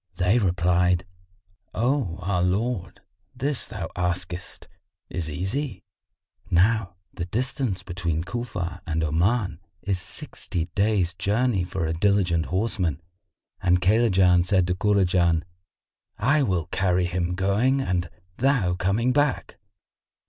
They replied, "O our lord, this thou askest is easy." Now the distance between Cufa and Oman is sixty days' journey for a diligent horseman, and Kaylajan said to Kurajan, "I will carry him going and thou coming back."